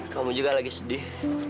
kamu juga lagi sedih